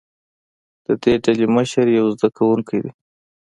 د دې ډلې مشر یو زده کوونکی دی.